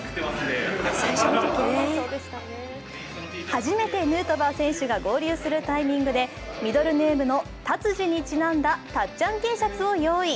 初めてヌートバー選手が合流するタイミングでミドルネームのタツジにちなんだたっちゃんＴシャツを用意。